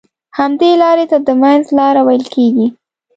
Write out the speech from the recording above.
همدې لارې ته د منځ لاره ويل کېږي.